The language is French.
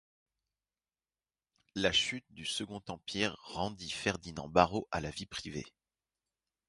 La chute du Second Empire rendit Ferdinand Barrot à la vie privée.